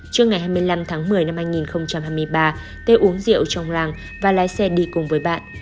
trước ngày hai mươi năm tháng một mươi năm hai nghìn hai mươi ba tê uống rượu trong làng và lái xe đi cùng với bạn